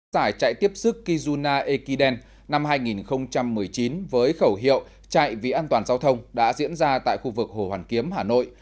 giải chạy tiếp sức kizuna ekiden năm hai nghìn một mươi chín với khẩu hiệu chạy vì an toàn giao thông đã diễn ra tại khu vực hồ hoàn kiếm hà nội